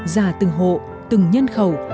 giả từng hộ từng nhân khẩu